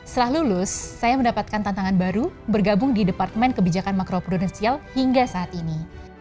setelah lulus saya mendapatkan tantangan baru bergabung di departemen kebijakan makro prudensial hingga saat ini